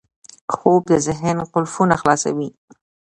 خوب د ذهن قفلونه خلاصوي